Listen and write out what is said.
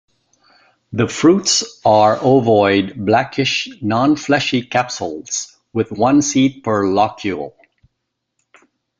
The fruits are ovoid, blackish non-fleshy capsules, with one seed per locule.